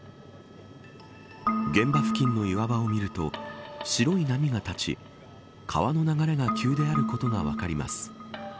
現場付近の岩場を見ると白い波が立ち川の流れが急であることが分かります。